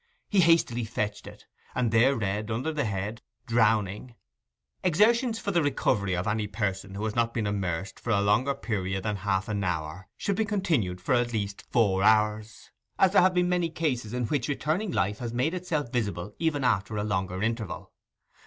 He hastily fetched it, and there read under the head 'Drowning:' 'Exertions for the recovery of any person who has not been immersed for a longer period than half an hour should be continued for at least four hours, as there have been many cases in which returning life has made itself visible even after a longer interval.